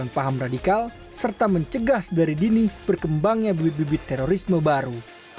untuk memahami radikal serta mencegah sedari dini perkembangnya bibit bibit terorisme baru